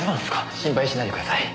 心配しないでください。